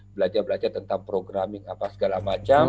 belajar belajar tentang programmik apa segala macam